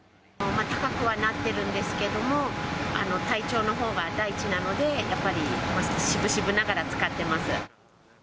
高くはなってるんですけども、体調のほうが第一なので、やっぱり渋々ながら使ってます。